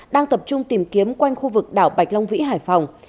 đang tập trung tìm kiếm quanh khu vực đảo bạch long vĩ hải phòng